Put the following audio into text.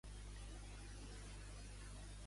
Per què és coneguda Ainhoa Arzibu?